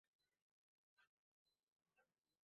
স্বামী-স্ত্রীর মধ্যে তুমুল ঝগড়া হয়।